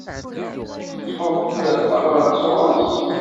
Teṭṭfeḍ-d tabrat sɣur-s?